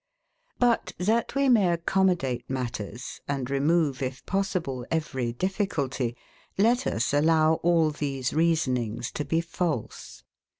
But, that we may accommodate matters, and remove if possible every difficulty, let us allow all these reasonings to be false.